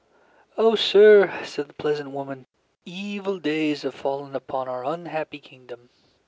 "O sir," said the peasant woman, "evil days have fallen upon our unhappy kingdom.